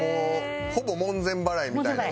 ほぼ門前払いみたいな感じ？